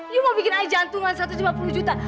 you mau bikin aja jantungan satu ratus lima puluh juta